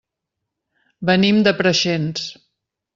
Venim de Preixens.